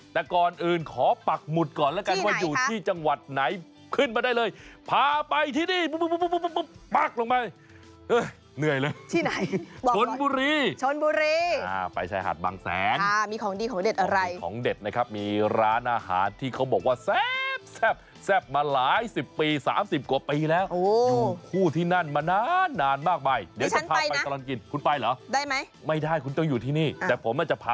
แต่ก่อนอื่นขอปักหมุดก่อนแล้วกันว่าอยู่ที่จังหวัดไหนขึ้นมาได้เลยพาไปที่นี่ปุ๊บปุ๊บปุ๊บปุ๊บปุ๊บปุ๊บปุ๊บปุ๊บปุ๊บปุ๊บปุ๊บปุ๊บปุ๊บปุ๊บปุ๊บปุ๊บปุ๊บปุ๊บปุ๊บปุ๊บปุ๊บปุ๊บปุ๊บปุ๊บปุ๊บปุ๊บปุ๊บปุ๊บปุ๊บปุ๊บปุ๊บปุ๊บปุ๊